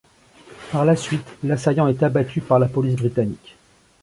Par la suite, l'assaillant est abattu par la police britannique.